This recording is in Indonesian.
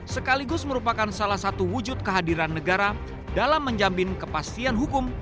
sekaligus merupakan salah satu wujud kehadiran negara dalam menjamin kepastian hukum